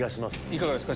いかがですか？